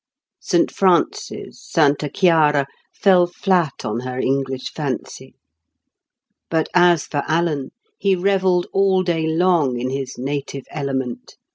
St Francis, Santa Chiara, fell flat on her English fancy. But as for Alan, he revelled all day long in his native element.